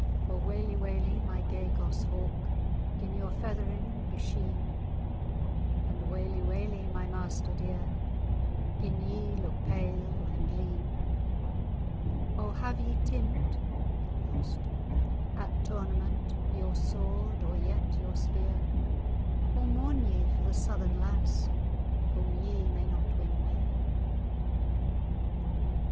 "O waly, waly, my gay goss hawk, Gin your feathering be sheen!" "And waly, waly, my master dear, Gin ye look pale and lean! O have ye tint[#] at tournament Your sword, or yet your spear? Or mourn ye for the Southern lass, Whom ye may not win near?"